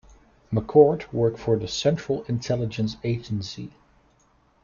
McCord worked for the Central Intelligence Agency.